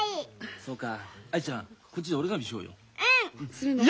そうか藍ちゃんこっちで折り紙しようよ。